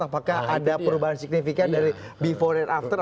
apakah ada perubahan signifikan dari before dan after